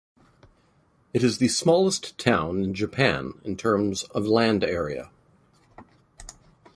It is the smallest town in Japan in terms of land area.